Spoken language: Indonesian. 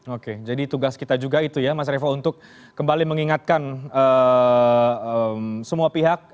oke jadi tugas kita juga itu ya mas revo untuk kembali mengingatkan semua pihak